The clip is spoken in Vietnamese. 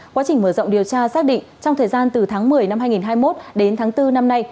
quá trình mở rộng điều tra xác định trong thời gian từ tháng một mươi năm hai nghìn hai mươi một đến tháng bốn năm nay